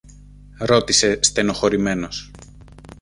ρώτησε στενοχωρεμένος.